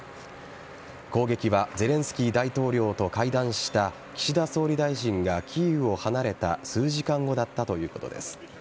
攻撃はゼレンスキー大統領と会談した岸田総理大臣がキーウを離れた数時間後だったということです。